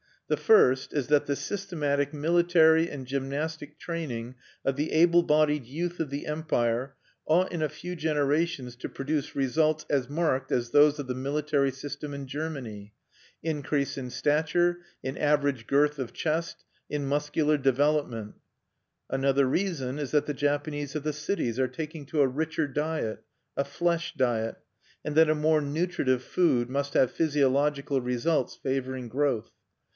The first is that the systematic military and gymnastic training of the able bodied youth of the Empire ought in a few generations to produce results as marked as those of the military system in Germany, increase in stature, in average girth of chest, in muscular development Another reason is that the Japanese of the cities are taking to a richer diet, a flesh diet; and that a more nutritive food must have physiological results favoring growth.